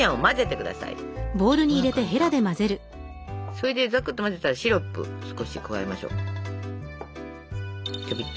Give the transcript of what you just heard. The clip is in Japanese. それでザクッと混ぜたらシロップを少し加えましょう。